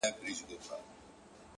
ما په اول ځل هم چنداني گټه ونه کړه؛